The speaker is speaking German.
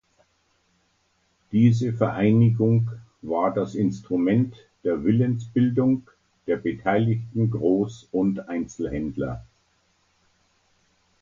Diese Vereinigung war das Instrument der Willensbildung der beteiligten Groß- und Einzelhändler.